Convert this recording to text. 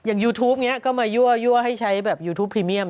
ยูทูปนี้ก็มายั่วให้ใช้แบบยูทูปพรีเมียม